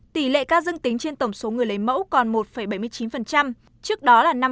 tỷ lệ ca dương tính trên tổng số người lấy mẫu còn một bảy mươi chín trước đó là năm